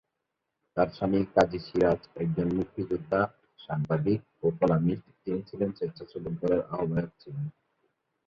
তার স্বামী কাজী সিরাজ একজন মুক্তিযোদ্ধা, সাংবাদিক ও কলামিস্ট যিনি স্বেচ্ছাসেবক দলের আহ্বায়ক ছিলেন।